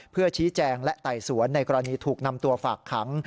เพื่อชี้แจงและไต่สวนในกรณีถูกนำตัวฝากขัง